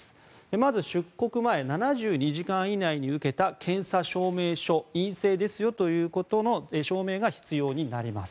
まず出国前７２時間以内に受けた検査証明書陰性ですよということの証明が必要になります。